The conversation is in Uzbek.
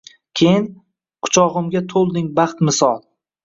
Keyin, quchog’imga to’lding baxt misol —